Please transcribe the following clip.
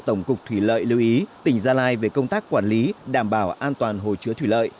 tổng cục thủy lợi lưu ý tỉnh gia lai về công tác quản lý đảm bảo an toàn hồ chứa thủy lợi